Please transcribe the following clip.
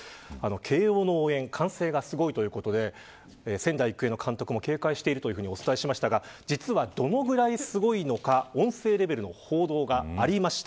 慶応の応援は歓声がすごいということで仙台育英の監督も警戒してるとお伝えしましたが実はどのぐらいすごいのか音声レベルの報道がありました。